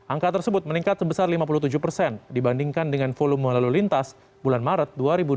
angka tersebut meningkat sebesar lima puluh tujuh persen dibandingkan dengan volume lalu lintas bulan maret dua ribu dua puluh